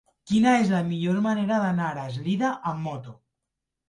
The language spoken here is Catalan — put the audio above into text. Quina és la millor manera d'anar a Eslida amb moto?